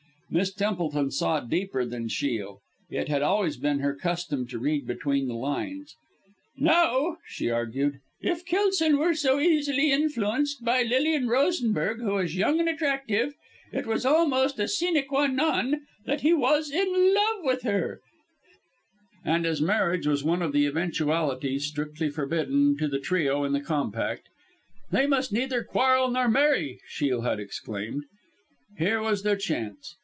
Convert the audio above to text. Miss Templeton saw deeper than Shiel it had always been her custom to read between the lines. "Now," she argued, "if Kelson were so easily influenced by Lilian Rosenberg, who was young and attractive, it was almost a sine quâ non that he was in love with her," and as marriage was one of the eventualities strictly forbidden to the trio in the compact "they must neither quarrel nor marry," Shiel had exclaimed here was their chance.